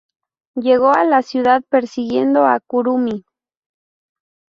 Llegó a la ciudad persiguiendo a Kurumi.